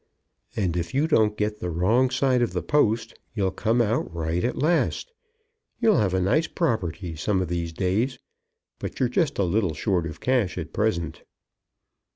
"And if you don't get the wrong side of the post, you'll come out right at last. You'll have a nice property some of these days, but you're just a little short of cash at present."